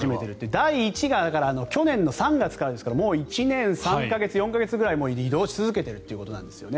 第１が去年の３月からですからもう１年３か月、４か月ぐらい移動し続けているということなんですよね。